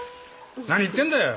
何言ってんだよ！